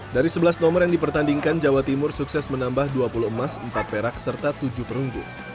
dari sebelas nomor yang dipertandingkan jawa timur sukses menambah dua puluh emas empat perak serta tujuh perunggu